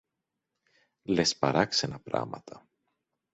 Λες παράξενα πράματα!